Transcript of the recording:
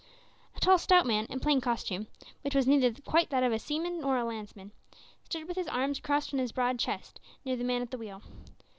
A tall stout man, in plain costume, which was neither quite that of a seaman nor a landsman, stood with his arms crossed on his broad chest near the man at the wheel.